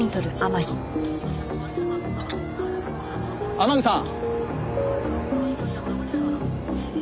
天樹さん。